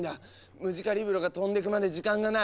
ムジカリブロが飛んでくまで時間がない。